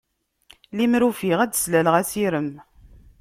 Limer ufiɣ ad d-slaleɣ asirem.